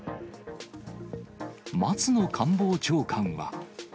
松野官房長官は。